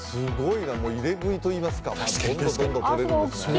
入れ食いといいますか、どんどんとれるんですね。